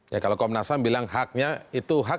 ya kalau komnasan bilang haknya itu hak